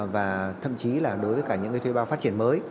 và thậm chí là đối với cả những thuê bao phát triển mới